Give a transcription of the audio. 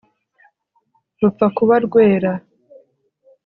rupfa kuba rwera